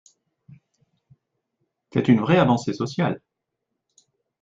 C’est une vraie avancée sociale.